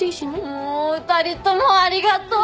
もう２人ともありがとう！